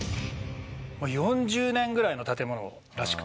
４０年ぐらいの建物らしくて。